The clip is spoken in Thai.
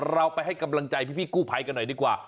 เราไปให้กำลังใจพี่กู้ภัยกันหน่อยดีกว่า